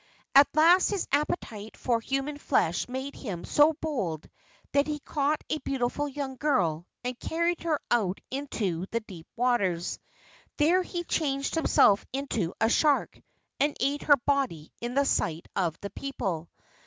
At last his appetite for human flesh made him so bold that he caught a beautiful young girl and carried her out into the deep waters. There he changed himself into a shark and ate her body in the sight of the people.